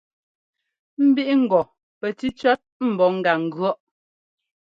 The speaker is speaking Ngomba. Mbíʼ ŋgɔ pɛ cícʉɔ́t mbɔ́ gá ŋgʉ̈ɔʼ.